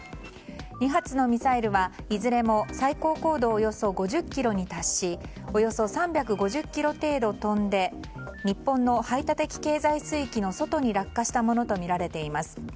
２発のミサイルはいずれも最高高度およそ５０ｋｍに達しおよそ３５０ｋｍ程度飛んで日本の排他的経済水域の外に落下したものとみられています。